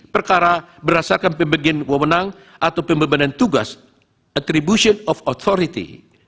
perkara berdasarkan pembagian wawenang atau pembebanan tugas atribution of authority